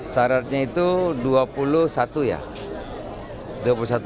syaratnya itu dua puluh satu ya